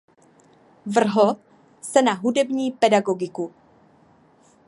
Vrhl se na hudební pedagogiku.